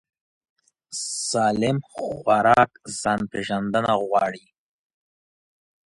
سالم خوراک ځان پېژندنه غواړي.